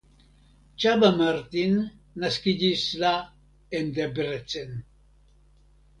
Csaba Martin naskiĝis la en Debrecen.